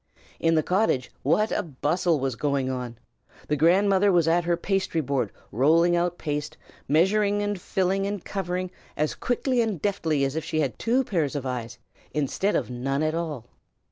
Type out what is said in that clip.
In the cottage, what a bustle was going on! The grandmother was at her pastry board, rolling out paste, measuring and filling and covering, as quickly and deftly as if she had had two pairs of eyes instead of none at all.